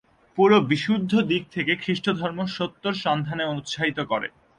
পুরো বিশুদ্ধ দিক থেকে, খ্রিস্ট ধর্ম সত্যের সন্ধানে উৎসাহিত করে।